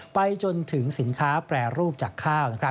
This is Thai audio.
ไปจนถึงสินค้าแปรรูปจากข้าว